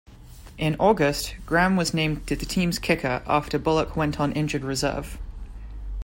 In August, Graham was named the team's kicker after Bullock went on injured reserve.